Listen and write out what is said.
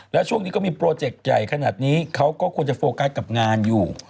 แล้วช่วงนี้ก็มีโปรเจกต์ใหญ่ขนาดนี้เขาก็ควรจะโฟกัสกับงานอยู่